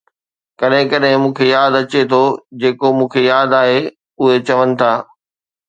ڪڏهن ڪڏهن مون کي ياد اچي ٿو جيڪو مون کي ياد آهي، 'اهي چون ٿا